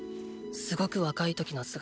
すごく若い時の姿。